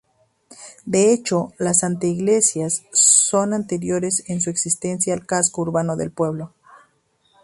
De hecho las anteiglesias son anteriores en su existencia al casco urbano del pueblo.